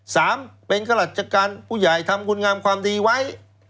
สามเป็นข้าราชการผู้ใหญ่ทำคุณงามความดีไว้